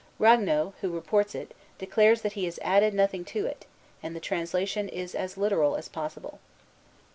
Ragueneau, who reports it, declares that he has added nothing to it, and the translation is as literal as possible.